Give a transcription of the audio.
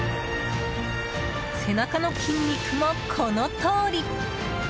背中の筋肉も、このとおり！